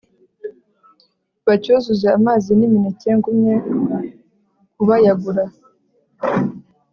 Bacyuzuze amazi n’imineke ngumye kubayagura